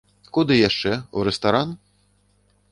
Куды яшчэ, у рэстаран?